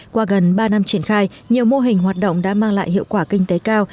qua gần ba năm triển khai nhiều mô hình hoạt động đã mang lại hiệu quả kinh tế cao